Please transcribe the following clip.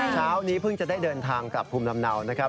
เช้านี้เพิ่งจะได้เดินทางกลับภูมิลำเนานะครับ